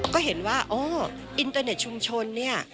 ก็เห็นว่าอ๋ออินเตอร์เน็ตชุมชนเนี่ย